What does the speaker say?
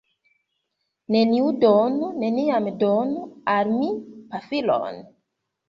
Neniu donu... neniam donu al mi pafilon